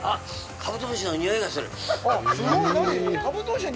カブトムシの匂いがする？